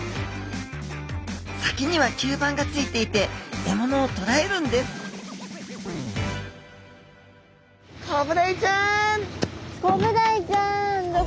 先には吸盤がついていて獲物をとらえるんですコブダイちゃん！